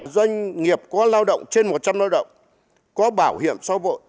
doanh nghiệp có lao động trên một trăm linh lao động có bảo hiểm sau vội